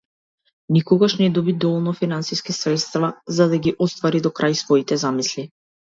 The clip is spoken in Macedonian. Никогаш не доби доволно финансиски средства за да ги оствари до крај своите замисли.